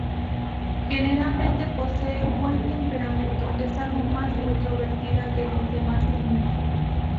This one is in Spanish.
Generalmente posee un buen temperamento, es algo más introvertida que los demás niños.